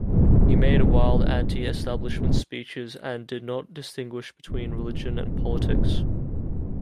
He made wild anti-establishment speeches and did not distinguish between religion and politics.